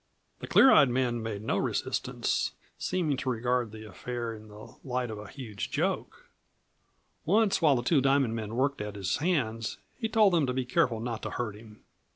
The clear eyed man made no resistance, seeming to regard the affair in the light of a huge joke. Once, while the Two Diamond men worked at his hands, he told them to be careful not to hurt him.